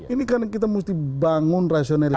ini kan kita mesti bangun rasionalitas